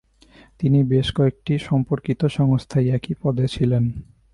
তিনি বেশ কয়েকটি সম্পর্কিত সংস্থায় একই পদে ছিলেন।